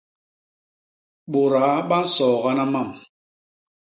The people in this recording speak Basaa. Bôdaa ba nsoogana mam.